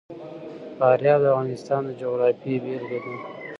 فاریاب د افغانستان د جغرافیې بېلګه ده.